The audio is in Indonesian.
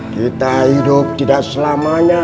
kita hidup tidak selamanya